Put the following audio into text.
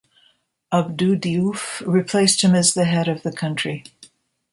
Abdou Diouf replaced him as the head of the country.